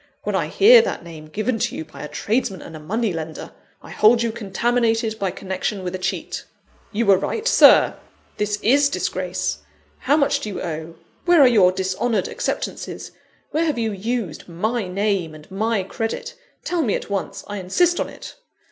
When I hear that name given to you by a tradesman and money lender, I hold you contaminated by connection with a cheat. You were right, Sir! this is disgrace; how much do you owe? Where are your dishonoured acceptances? Where have you used my name and my credit? Tell me at once I insist on it!"